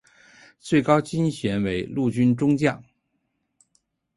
最高军衔为陆军中将。